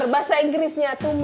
bahasa inggrisnya tuh men